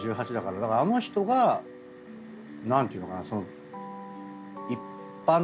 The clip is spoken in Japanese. だからあの人が何ていうのかな？